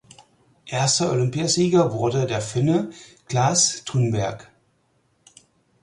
Erster Olympiasieger wurde der Finne Clas Thunberg.